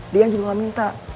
dean juga gak minta